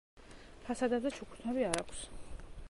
ფასადებზე ჩუქურთმები არ აქვს.